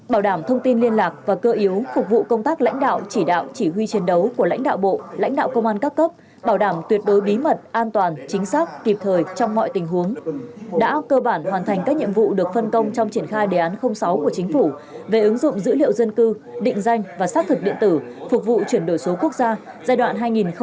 bảo đảm thông tin liên lạc và cơ yếu phục vụ công tác lãnh đạo chỉ đạo chỉ huy chiến đấu của lãnh đạo bộ lãnh đạo công an các cấp bảo đảm tuyệt đối bí mật an toàn chính xác kịp thời trong mọi tình huống đã cơ bản hoàn thành các nhiệm vụ được phân công trong triển khai đề án sáu của chính phủ về ứng dụng dữ liệu dân cư định danh và xác thực điện tử phục vụ chuyển đổi số quốc gia giai đoạn hai nghìn hai mươi hai hai nghìn hai mươi năm